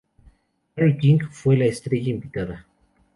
Larry King fue la estrella invitada.